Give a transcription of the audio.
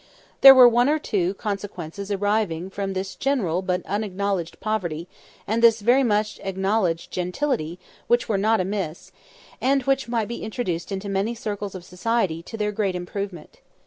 There were one or two consequences arising from this general but unacknowledged poverty, and this very much acknowledged gentility, which were not amiss, and which might be introduced into many circles of society to their great improvement.